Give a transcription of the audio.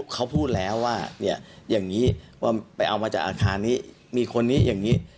เขาพูดแล้วว่าเนี่ยอย่างนี้ว่าไปเอามาจากอาคารนี้มีคนนี้อย่างนี้